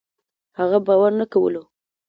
هغه باور نه کولو